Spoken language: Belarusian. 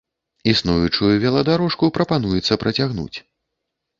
Існуючую веладарожку прапануецца працягнуць.